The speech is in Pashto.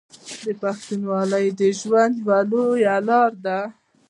پښتونولي د ژوند یوه لار ده.